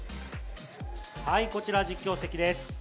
はい、こちら実況席です。